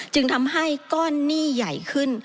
จึงทำให้ก้อนหนี้ใหญ่ขึ้น